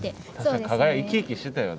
生き生きしてたよ